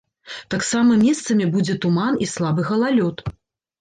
Таксама месцамі будзе туман і слабы галалёд.